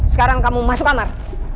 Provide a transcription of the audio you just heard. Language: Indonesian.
sekarang kamu masuk kamar